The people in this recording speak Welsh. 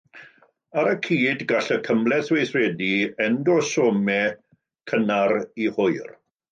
Ar y cyd, gall y cymhleth weithredu endosomau cynnar i hwyr.